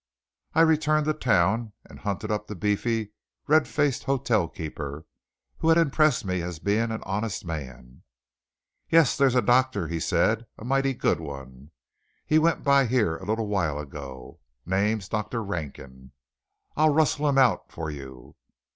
I returned to town, and hunted up the beefy, red faced hotel keeper, who had impressed me as being an honest man. "Yes, there's a doctor," said he, "a mighty good one. He went by here a little while ago. Name's Dr. Rankin. I'll rustle him out for you.